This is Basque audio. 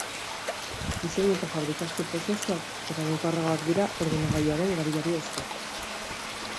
Diseinu eta fabrikazio prozesuak eraginkorragoak dira ordenagailuaren erabilerari esker.